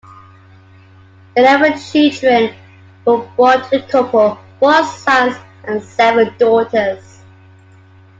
Eleven children were born to the couple, four sons and seven daughters.